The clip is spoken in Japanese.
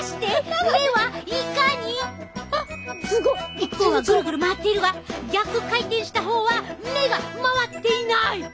一方はぐるぐる回っているが逆回転した方は目が回っていない！